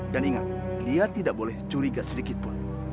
dan ingat dia tidak boleh curiga sedikitpun